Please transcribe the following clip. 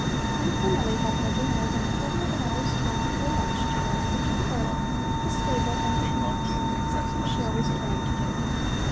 Then Cornelli had hardly more than a quarter of an hour's time before lunch to run over to the garden, the stable and the hen house, something she always planned to do.